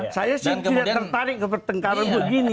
saya sih tidak tertarik ke pertengkaran begini